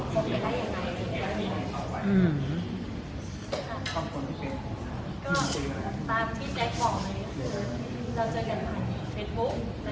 ก็ตามที่แจ๊คบอกเลยเราเจอกันภายในเว็บบุ๊ค